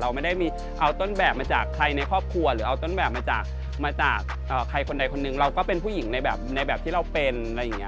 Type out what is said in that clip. เราไม่ได้มีเอาต้นแบบมาจากใครในครอบครัวหรือเอาต้นแบบมาจากมาจากใครคนใดคนหนึ่งเราก็เป็นผู้หญิงในแบบในแบบที่เราเป็นอะไรอย่างนี้